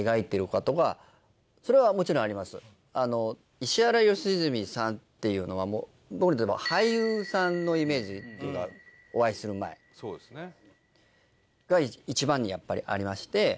石原良純さんっていうのは僕にとっては俳優さんのイメージっていうかお会いする前。が一番にやっぱりありまして。